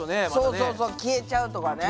そうそうそう消えちゃうとかね。